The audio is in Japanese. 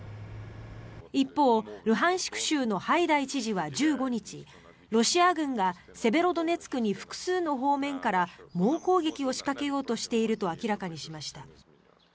一方、ルハンシク州のハイダイ知事は１５日ロシア軍がセベロドネツクに複数の方面から猛攻撃を仕掛けようとしていると明らかにしました。